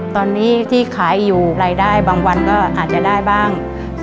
ตอนนี้ที่ขายอยู่รายได้บางวันก็อาจจะได้บ้าง